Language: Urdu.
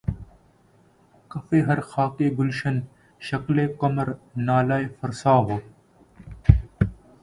کفِ ہر خاکِ گلشن‘ شکلِ قمری‘ نالہ فرسا ہو